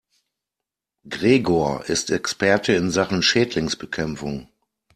Gregor ist Experte in Sachen Schädlingsbekämpfung.